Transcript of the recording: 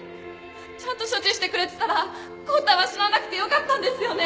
ちゃんと処置してくれてたら康太は死ななくてよかったんですよね？